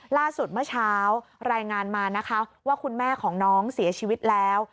เมื่อเช้ารายงานมานะคะว่าคุณแม่ของน้องเสียชีวิตแล้ว